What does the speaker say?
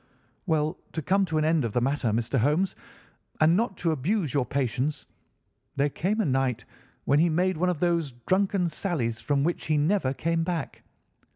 "Well, to come to an end of the matter, Mr. Holmes, and not to abuse your patience, there came a night when he made one of those drunken sallies from which he never came back.